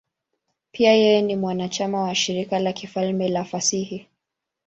Pia yeye ni mwanachama wa Shirika la Kifalme la Fasihi.